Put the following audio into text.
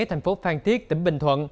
thành phố phan thiết tỉnh bình thuận